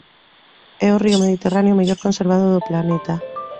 É o río mediterráneo mellor conservado do planeta.